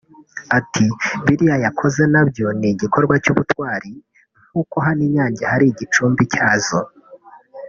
Ati « biriya yakoze nabyo ni igikorwa cy’ubutwari nk’uko hano inyange hari igicumbi cyazo